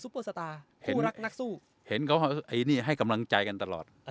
เปอร์สตาร์เห็นคู่รักนักสู้เห็นเขาไอ้นี่ให้กำลังใจกันตลอด